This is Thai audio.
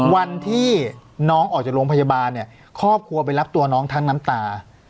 วันที่น้องออกจากโรงพยาบาลเนี่ยครอบครัวไปรับตัวน้องทั้งน้ำตา